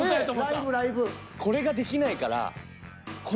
これができないから。